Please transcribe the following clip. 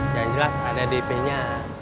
yang jelas ada dp nya